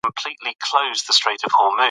هغه په بېړه انګړ ته وووت.